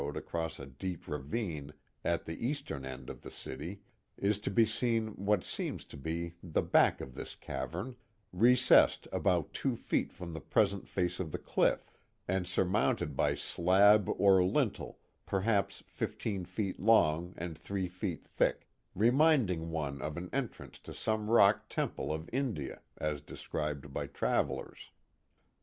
d across a deep ravine at the eastern end of the city, is to be seen what seems to be the back of this cavern, recessed about two feet from the present face of the cliff, and surmounted by a slab or lintel perhaps fifteen feet long and three feet thick, reminding one of an entrance to some rock temple of India, as described by travellers.